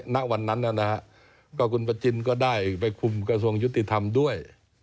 ณวันนั้นคุณประจินก็ได้ไปคุมกระทรวงยุติธรรมด้วย